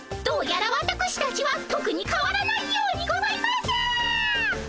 どうやらわたくしたちはとくにかわらないようにございます！